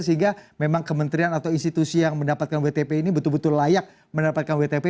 sehingga memang kementerian atau institusi yang mendapatkan wtp ini betul betul layak mendapatkan wtp